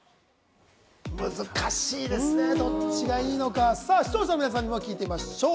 難しいですね、ドッチがいいのか、視聴者の皆さんにも聞いてみましょう。